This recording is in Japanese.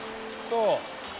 そう。